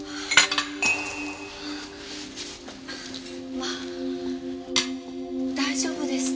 まあ大丈夫ですか？